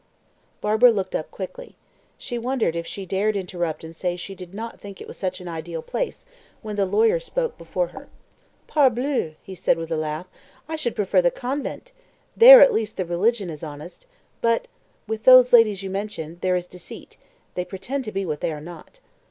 Barbara looked up quickly. She wondered if she dared interrupt and say she did not think it was such an ideal place, when the lawyer spoke before her. "Parbleu!" he said with a laugh, "I should prefer the convent! There at least the religion is honest, but with those ladies you mention there is deceit. They pretend to be what they are not."